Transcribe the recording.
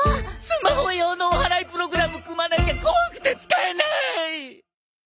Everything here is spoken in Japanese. スマホ用のおはらいプログラム組まなきゃ怖くて使えない！